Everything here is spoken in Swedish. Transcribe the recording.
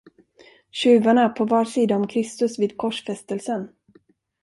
Tjuvarna på var sida om kristus vid korsfästelsen.